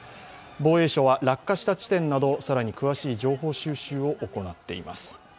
防衛省は落下した地点など更に詳しい情報収集を行っています。